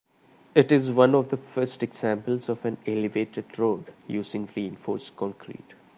It is one of the first examples of an elevated road using reinforced concrete.